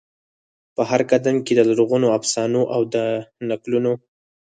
په هرقدم کې د لرغونو افسانو او د نکلونو،